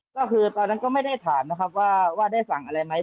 ก็คือตอนนั้นก็ไม่ได้ถามนะครับว่าได้สั่งอะไรไหม